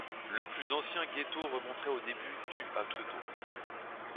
Le plus ancien ghetto remonterait au début du à Kyoto.